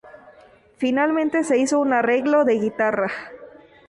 Finalmente se hizo un arreglo de guitarra.